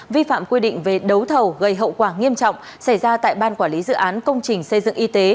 vi phạm quy định về đấu thầu gây hậu quả nghiêm trọng xảy ra tại ban quản lý dự án công trình xây dựng y tế